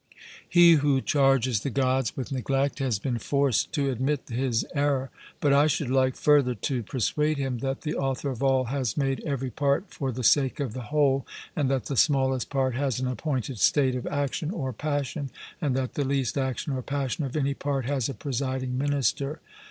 He who charges the Gods with neglect has been forced to admit his error; but I should like further to persuade him that the author of all has made every part for the sake of the whole, and that the smallest part has an appointed state of action or passion, and that the least action or passion of any part has a presiding minister.